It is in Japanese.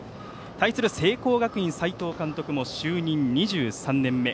対する聖光学院、斎藤監督も就任２３年目。